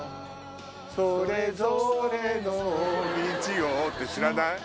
それぞれの道をって知らない？